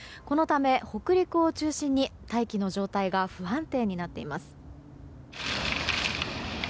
このため北陸を中心に大気の状態が不安定になっています。